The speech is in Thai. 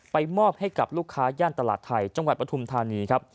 มอบให้กับลูกค้าย่านตลาดไทยจังหวัดปฐุมธานีครับ